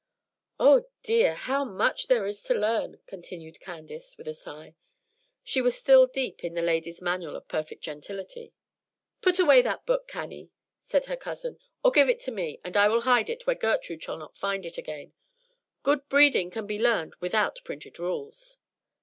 "Oh, dear! how much there is to learn!" continued Candace, with a sigh. She was still deep in the "Ladies' Manual of Perfect Gentility." "Put away that book, Cannie," said her cousin; "or give it to me, and I will hide it where Gertrude shall not find it again. Good breeding can be learned without printed rules."